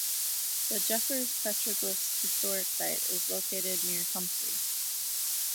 The Jeffers Petroglyphs Historic Site is located near Comfrey.